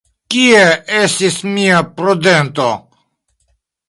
Kie estis mia prudento?